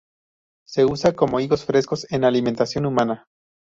Se usa como higos frescos en alimentación humana.